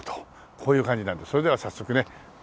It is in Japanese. こういう感じなんでそれでは早速ね。